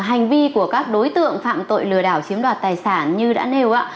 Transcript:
hành vi của các đối tượng phạm tội lừa đảo chiếm đoạt tài sản như đã nêu ạ